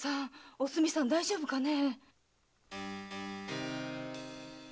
おすみさん大丈夫かね？